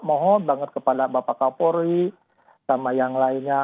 mohon banget kepada bapak kapolri sama yang lainnya